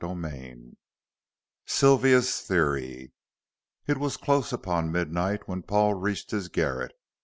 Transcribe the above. CHAPTER XVI Sylvia's theory It was close upon midnight when Paul reached his garret.